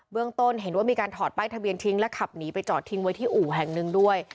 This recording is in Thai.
ต้นเห็นว่ามีการถอดป้ายทะเบียนทิ้งและขับหนีไปจอดทิ้งไว้ที่อู่แห่งหนึ่งด้วย